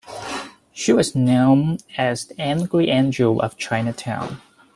She was known as the Angry Angel of Chinatown.